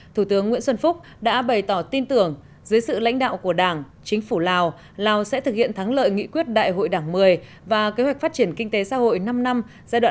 thủ tướng nguyễn xuân phúc đã bày tỏ tin tưởng dưới sự lãnh đạo của đảng chính phủ lào lào sẽ thực hiện thắng lợi nghị quyết đại hội đảng một mươi và kế hoạch phát triển kinh tế xã hội năm năm giai đoạn hai nghìn hai mươi một hai nghìn ba mươi